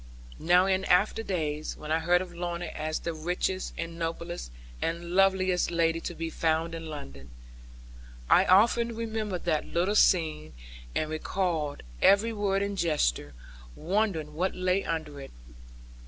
Now in after days, when I heard of Lorna as the richest, and noblest, and loveliest lady to be found in London, I often remembered that little scene, and recalled every word and gesture, wondering what lay under it.